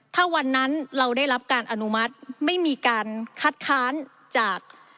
ถ้าวันนั้นเราได้รับการอนุมัติไม่มีการคัดค้านจาก